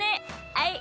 はい。